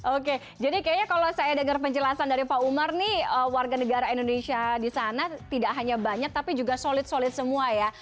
oke jadi kayaknya kalau saya dengar penjelasan dari pak umar nih warga negara indonesia di sana tidak hanya banyak tapi juga solid solid semua ya